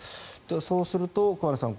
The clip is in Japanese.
そうすると、桑野さん